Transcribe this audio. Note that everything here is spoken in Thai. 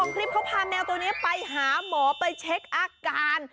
คลิปเขาพาแมวตัวนี้ไปหาหมอไปเช็คอาการ